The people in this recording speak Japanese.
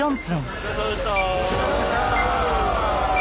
お疲れさまでした。